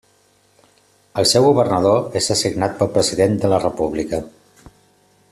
El seu governador és designat pel president de la República.